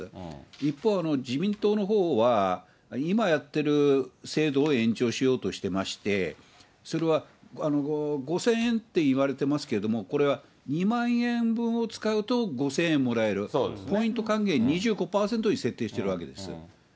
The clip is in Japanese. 一方、自民党のほうは、今やってる制度を延長しようとしてまして、それは５０００円っていわれてますけど、これは２万円分を使うと５０００円もらえる、ポイント還元２５％に設定しているわけです。